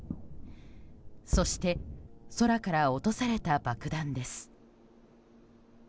そして、空から落とされた爆弾です。